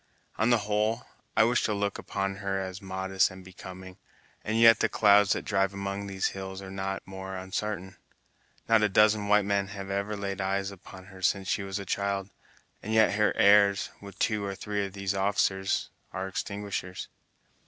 On the whole, I wish to look upon her as modest and becoming, and yet the clouds that drive among these hills are not more unsartain. Not a dozen white men have ever laid eyes upon her since she was a child, and yet her airs, with two or three of these officers, are extinguishers!"